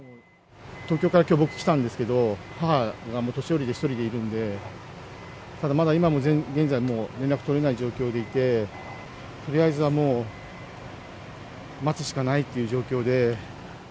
東京から僕、きょう来たんですけど、母が年寄りで１人でいるんで、ただ、まだ現在も連絡が取れない状況でいて、とりあえずはもう、待つしかないという状況で。